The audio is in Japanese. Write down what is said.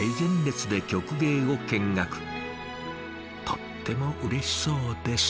とってもうれしそうです。